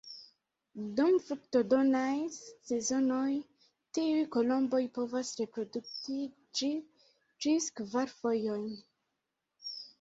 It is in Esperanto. Dum fruktodonaj sezonoj tiuj kolomboj povas reproduktiĝi ĝis kvar fojojn.